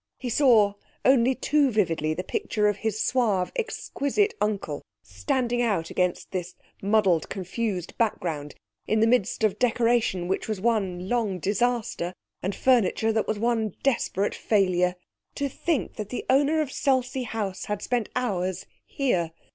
He saw, only too vividly, the picture of his suave, exquisite uncle, standing out against this muddled, confused background, in the midst of decoration which was one long disaster and furniture that was one desperate failure. To think that the owner of Selsey House had spent hours here!